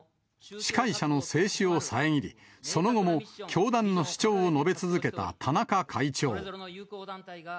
司会者の制止を遮り、その後も教団の主張を述べ続けた田中会長。